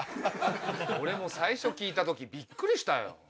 俺も最初聞いた時ビックリしたよ。